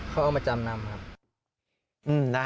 เขาเอามาจำนำครับ